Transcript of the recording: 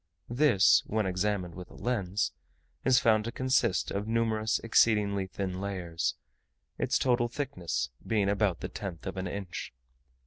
This, when examined with a lens, is found to consist of numerous exceedingly thin layers, its total thickness being about the tenth of an inch.